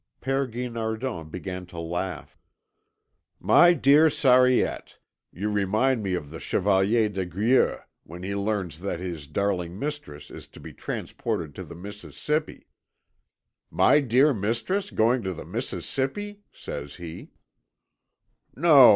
Père Guinardon began to laugh. "My dear Sariette, you remind me of the Chevalier des Grieux when he learns that his darling mistress is to be transported to the Mississippi. 'My dear mistress going to the Mississippi!' says he." "No!